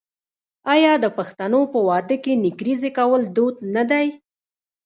آیا د پښتنو په واده کې نکریزې کول دود نه دی؟